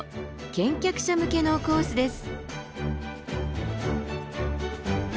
健脚者向けのコースです。